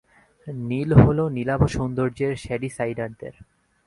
নীল হল নীলাভ সৌন্দর্যের শ্যাডিসাইডার দের।